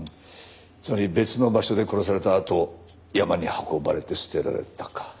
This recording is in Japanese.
つまり別の場所で殺されたあと山に運ばれて捨てられたか。